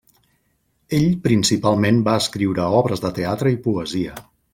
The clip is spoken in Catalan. Ell principalment va escriure obres de teatre i poesia.